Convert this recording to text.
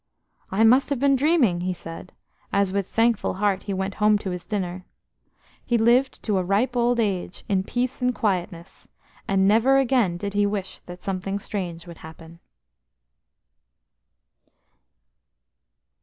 "I must have been dreaming," he said, as with thankful heart he went home to his dinner. He lived to a ripe old age in peace and quietness, and never again did he wish that something strange would happen.